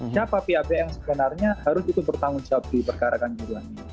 siapa pihaknya yang sebenarnya harus itu bertanggung jawab di perkara ganjuran ini